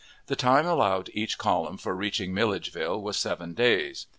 The time allowed each column for reaching Milledgeville was seven days.